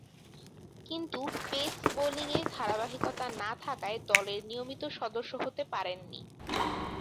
কিন্তু পেস বোলিংয়ে ধারাবাহিকতা না থাকায় দলের নিয়মিত সদস্য হতে পারেননি।